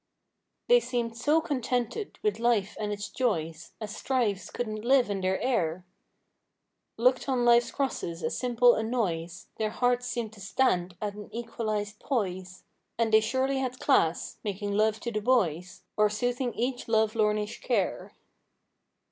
They seemed so contented with life and its joys. As strifes couldn't live in their air; Looked on life's crosses as simple annoys. Their hearts seemed to stand at an equalized poise. And they surely had class—making love to the boys— Or soothing each love lornish care.